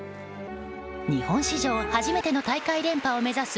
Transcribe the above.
日本史上初めての大会連覇を目指す